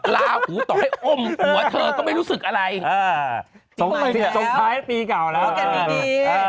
ลาหูต่อให้อ้มหัวเธอก็ไม่รู้สึกอะไรส่งท้ายปีเก่าแล้วกันดี